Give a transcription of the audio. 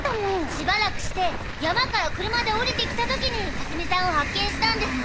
しばらくして山から車で下りて来た時に泰美さんを発見したんです！